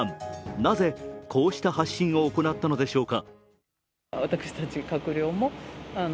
なぜこうした発信を行ったのでしょうか。